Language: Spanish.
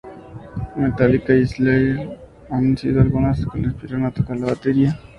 Metallica y Slayer han sido algunas que lo inspiraron a tocar la batería.